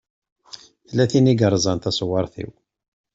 Tella tin i yeṛẓan taṣewwaṛt-iw.